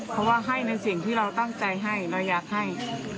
เพราะว่าให้ในสิ่งที่เราตั้งใจให้เราอยากให้